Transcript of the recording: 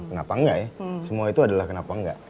kenapa enggak ya semua itu adalah kenapa enggak